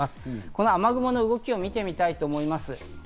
この雨雲の動きを見てみたいと思います。